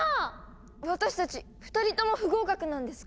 私たち２人とも不合格なんですか？